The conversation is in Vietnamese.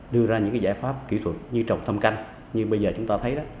đưa ra những giải pháp kỹ thuật như trồng thăm canh như bây giờ chúng ta thấy